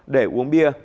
để uống bia